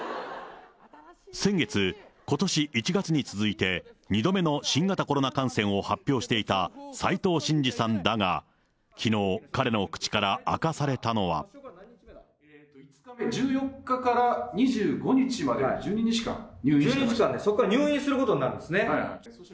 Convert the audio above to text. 先月、ことし１月に続いて、２度目の新型コロナ感染を発表していた斉藤慎二さんだが、きのう、１４日から２５日までの１２そこから入院することになるんですね。